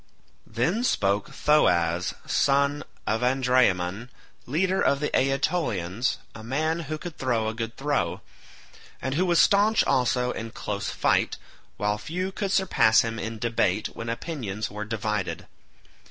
Then spoke Thoas son of Andraemon, leader of the Aetolians, a man who could throw a good throw, and who was staunch also in close fight, while few could surpass him in debate when opinions were divided.